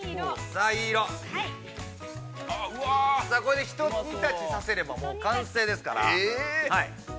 ◆さあ、これでひと煮立ちさせれば完成ですから。